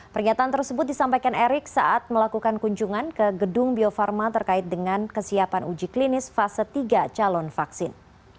pernyataan tersebut disampaikan erick saat melakukan kunjungan ke gedung bio farma terkait dengan kesiapan uji klinis fase tiga calon vaksin